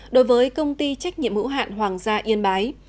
đối với công ty trách nhiệm hữu hạn hoàng gia yên bái